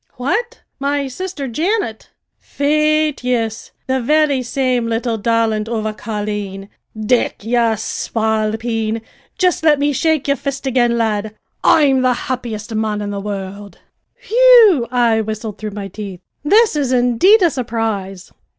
"What! my sister Janet?" "Faith, yis; the very same little darlint of a colleen. Dick, ye spalpeen, jist lit me shake y'r fist agin, lad. I'm the happiest man in the wurrld!" "Whee e e e eew," I whistled through my teeth. "This is indeed a surprise!"